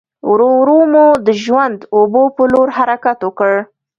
ورو ورو مو د ژورو اوبو په لور حرکت وکړ.